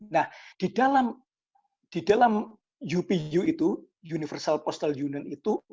nah di dalam upu itu universal postall union itu